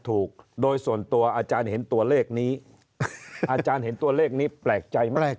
ถูกโดยส่วนตัวอาจารย์เห็นตัวเลขนี้อาจารย์เห็นตัวเลขนี้แปลกใจมาก